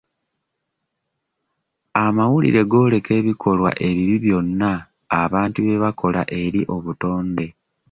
Amawulire gooleka ebikolwa ebibi byonna abantu bye bakola eri obutonde.